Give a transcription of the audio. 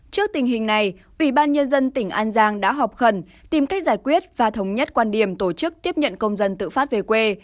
trước tình hình này ủy ban nhân dân tỉnh an giang đã họp khẩn tìm cách giải quyết và thống nhất quan điểm tổ chức tiếp nhận công dân tự phát về quê